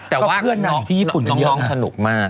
แต่ว่าน้องสนุกมาก